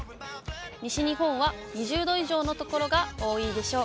西日本は２０度以上の所が多いでしょう。